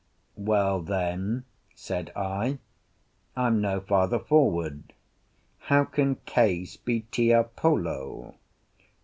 "Well then," said I, "I'm no farther forward. How can Case be Tiapolo?"